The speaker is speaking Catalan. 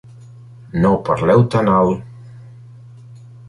No parleu tan alt.